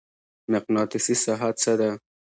مقناطیسي ساحه څه ده؟